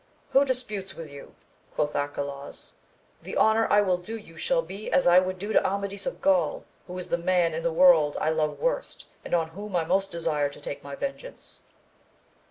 Who disputes with you 1 quoth Arcalausj the honour I will do you shall be as I would do to Amadis of Gaul, who is the man in the world that I love worst, and on whom I most desire to take vengeance.